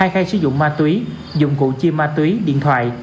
hai khay sử dụng ma túy dụng cụ chi ma túy điện thoại